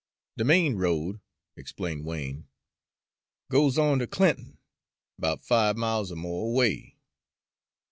"De main road," explained Wain, "goes on to Clinton, 'bout five miles er mo' away.